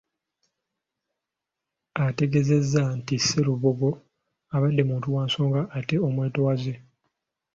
Ategeezezza nti Sserubogo abadde muntu wa nsonga ate omwetowaze.